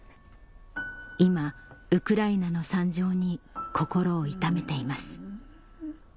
今ウクライナの惨状に心を痛めています